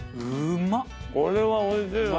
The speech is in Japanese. これはおいしいわ！